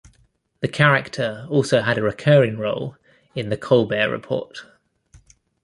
The character also had a recurring role in "The Colbert Report".